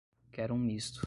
Quero um misto